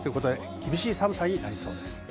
厳しい寒さになりそうです。